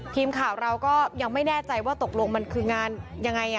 ทีมข่าวเราก็ยังไม่แน่ใจว่าตกลงมันคืองานยังไง